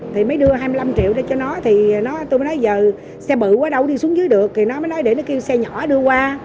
thì mới đưa hai mươi năm triệu ra cho nó thì nó tôi mới nói giờ xe bự quá đâu đi xuống dưới được thì nó mới nói để nó kêu xe nhỏ đưa qua